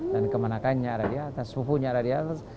dan kemanakannya ada di atas pupunya ada di atas